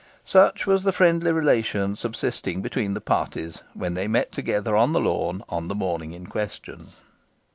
Such was the friendly relation subsisting between the parties when they met together on the lawn on the morning in question.